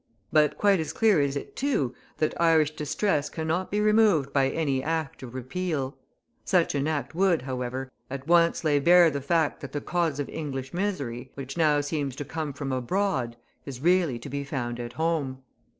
But quite as clear is it, too, that Irish distress cannot be removed by any Act of Repeal. Such an Act would, however, at once lay bare the fact that the cause of Irish misery, which now seems to come from abroad, is really to be found at home.